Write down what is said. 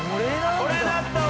これだったわ！